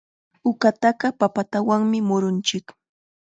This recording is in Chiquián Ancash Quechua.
Uqataqa papatanawmi murunchik.